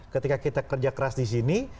ketika kita kerja keras di sini